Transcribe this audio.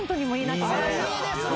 あっいいですね！